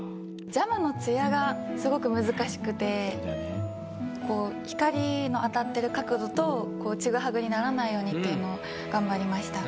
ジャムのツヤがすごく難しくてこう光の当たってる角度とちぐはぐにならないようにっていうのを頑張りました。